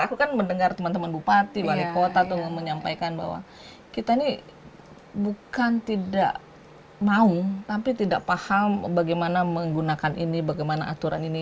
aku kan mendengar teman teman bupati wali kota menyampaikan bahwa kita ini bukan tidak mau tapi tidak paham bagaimana menggunakan ini bagaimana aturan ini